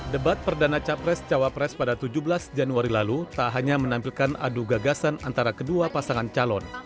debat perdana capres cawapres pada tujuh belas januari lalu tak hanya menampilkan adu gagasan antara kedua pasangan calon